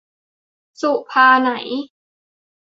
สุภา ไหน